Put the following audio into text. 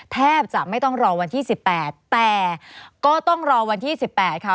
แทบจะไม่ต้องรอวันที่๑๘แต่ก็ต้องรอวันที่๑๘ค่ะ